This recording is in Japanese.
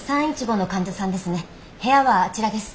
部屋はあちらです。